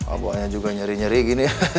abahnya juga nyari nyari gini